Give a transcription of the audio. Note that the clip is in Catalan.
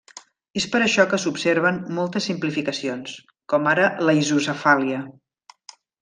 És per això que s'observen moltes simplificacions, com ara la isocefàlia.